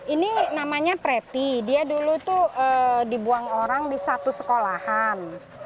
ini namanya preti dia dulu tuh dibuang orang di satu sekolahan